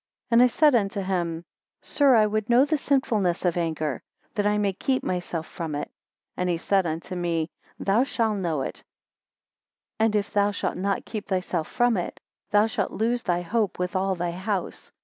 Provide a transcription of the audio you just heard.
8 And I said unto him, Sir, I would know the sinfulness of anger, that I may keep myself from it. And he said unto me, Thou shall know it; and if thou shalt not keep thyself from it, thou shalt lose thy hope with all thy house.